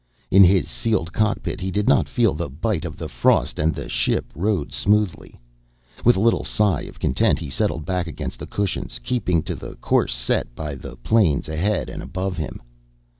In his sealed cockpit he did not feel the bite of the frost and the ship rode smoothly. With a little sigh of content he settled back against the cushions, keeping to the course set by the planes ahead and above him.